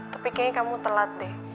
tapi kayaknya kamu telat deh